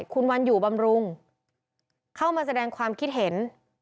คุณวันอยู่บำรุงเข้ามาแสดงความคิดเห็น